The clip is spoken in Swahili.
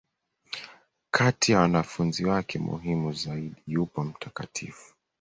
Kati ya wanafunzi wake muhimu zaidi, yupo Mt.